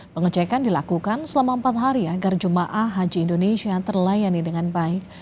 pengecekan dilakukan selama empat hari agar jemaah haji indonesia terlayani dengan baik